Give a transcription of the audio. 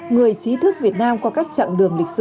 người trí thức việt nam qua các chặng đường lịch sử